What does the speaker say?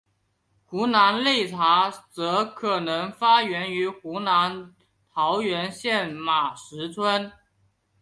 湖南擂茶则可能发源于湖南桃源县马石村。